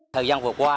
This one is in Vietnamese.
thời gian vừa qua